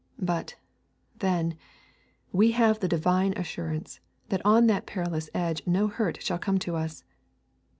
But, then, we have the Divine assurance that on that perilous edge no hurt shall come to us.